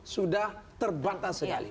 sudah terbatas sekali